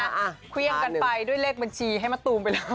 เอาควี่ยังขันไปด้วยเลขบัญชีให้มะตูมไปแล้ว